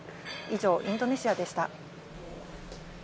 以上、インドネシアでした。